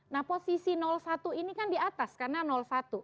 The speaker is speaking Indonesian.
nah posisi satu ini kan di atas karena satu